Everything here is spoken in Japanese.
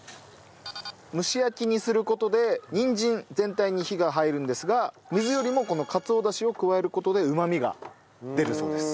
蒸し焼きにする事でにんじん全体に火が入るんですが水よりもこのかつおダシを加える事でうまみが出るそうです。